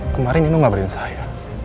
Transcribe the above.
kemarin ini gak berin saya